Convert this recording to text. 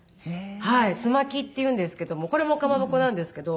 すまきっていうんですけどもこれもかまぼこなんですけど。